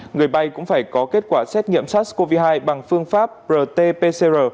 người bay cũng phải có kết quả xét nghiệm sars cov hai bằng phương pháp rt pcr